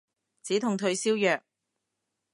止痛退燒藥